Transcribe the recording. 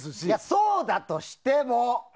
そうだとしても。